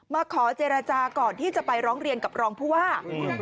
มาขอเจรจาก่อนที่จะไปร้องเรียนกับรองผู้ว่า